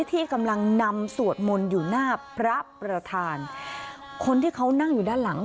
ที่กำลังนำสวดมนต์อยู่หน้าพระประธานคนที่เขานั่งอยู่ด้านหลัง